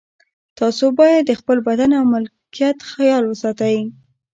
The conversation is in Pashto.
تاسو باید د خپل بدن او ملکیت خیال وساتئ.